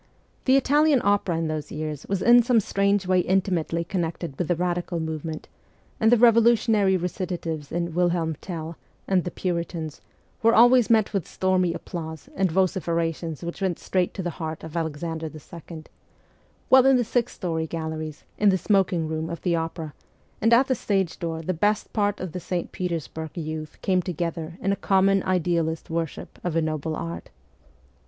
The Italian opera in those years was in some strange way intimately con nected with the Radical movement, and the revolu tionary recitatives in ' Wilhelm Tell ' and ' The Puritans ' were always met with stormy applause and vociferations which went straight to the heart of Alexander II. ; while in the sixth story galleries, in the smoking room of the opera, and at the stage door the best part of the St. Petersburg youth came together in a common idealist worship of a noble art.